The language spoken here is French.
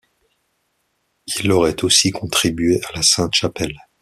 Il aurait aussi contribué à la Sainte-Chapelle.